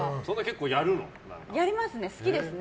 やりますね、好きですね。